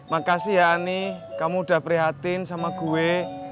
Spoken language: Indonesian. makasih ya ani kamu udah prihatin sama gue